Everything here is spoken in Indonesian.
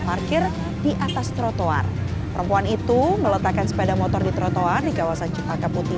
parkir di atas trotoar perempuan itu meletakkan sepeda motor di trotoar di kawasan cipaka putih